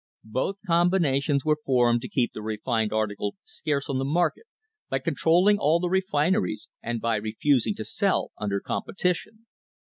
Both combinations were formed to keep the refined article scarce on the market by controlling all the refineries and by refusing to sell under competition.